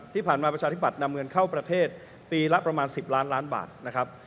ประชาธิบัตย์นำเงินเข้าประเทศปีละประมาณ๑๐ล้านล้านบาทนะครับ